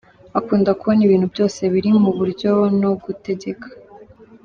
Akunda kubona ibintu byose biri mu buryo no gutegeka.